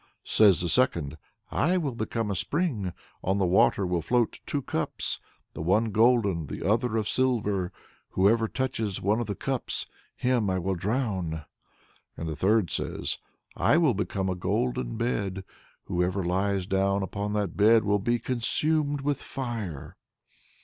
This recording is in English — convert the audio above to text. Says the second, "I will become a spring on the water will float two cups, the one golden, the other of silver; whoever touches one of the cups, him will I drown." And the third says, "I will become a golden bed; whoever lies down upon that bed will be consumed with fire."